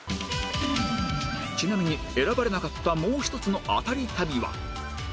ちなみに選ばれなかったもう一つのアタリ旅は